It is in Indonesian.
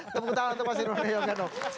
tepuk tangan untuk mas irwono